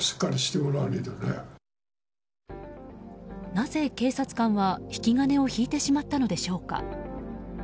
なぜ警察官は、引き金を引いてしまったのでしょうか。